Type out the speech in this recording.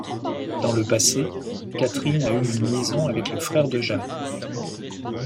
Dans le passé, Katherine a eu une liaison avec le frère de Jane.